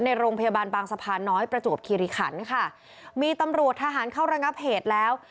ในโรงพยาบาลบางสะพานน้อยประจวบคิริขันค่ะมีตำรวจทหารเข้าระงับเหตุแล้ว